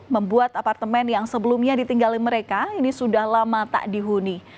membuat apartemen yang sebelumnya ditinggali mereka ini sudah lama tak dihuni